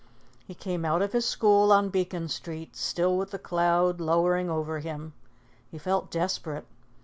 He came out of his school on Beacon Street, still with the cloud lowering over him. He felt desperate.